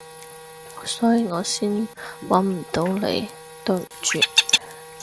所以我先搵唔到你，對唔住